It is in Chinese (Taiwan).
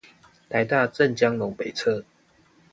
臺大鄭江樓北側